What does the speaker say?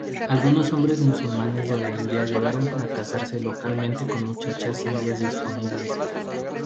Algunos hombres musulmanes de la India llegaron para casarse localmente con muchachas indias disponibles.